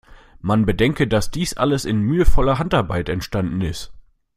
Man bedenke, dass dies alles in mühevoller Handarbeit entstanden ist.